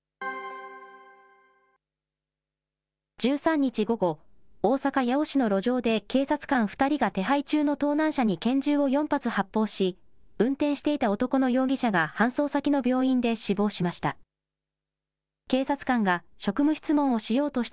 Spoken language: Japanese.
１３日午後、大阪・八尾市の路上で警察官２人が手配中の盗難車に拳銃を４発発砲し、運転していた男の容疑者が搬送先の病院で死亡しました。